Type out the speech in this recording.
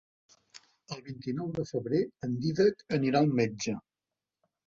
El vint-i-nou de febrer en Dídac anirà al metge.